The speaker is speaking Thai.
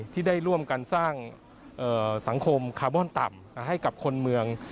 ที่ได้ร่วมกันสร้างสังคมคาร์บอนต่ำให้กับคนเมือง